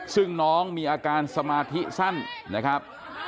ซึ่งน้องมีอาการสมาธิสั้นนะครับ